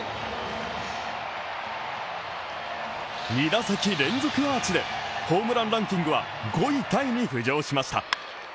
２打席連続アーチでホームランランキングは５位タイに浮上しました。